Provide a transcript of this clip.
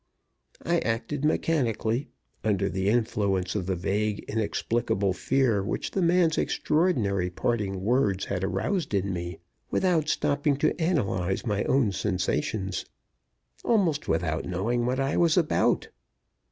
I acted mechanically, under the influence of the vague inexplicable fear which the man's extraordinary parting words had aroused in me, without stopping to analyze my own sensations almost without knowing what I was about.